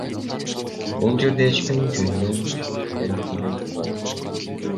Бул жерде эч ким жөндөн жөн эле турбайт.